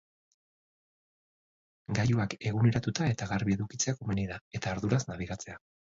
Gailuak eguneratuta eta garbi edukitzea komeni da, eta arduraz nabigatzea.